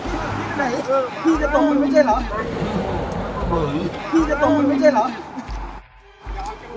ไหนพี่จะตรงมันไม่ใช่เหรอพี่จะตรงมันไม่ใช่เหรอโอ้โห